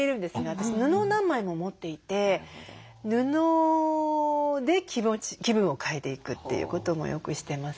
私布を何枚も持っていて布で気持ち気分を変えていくということもよくしてます。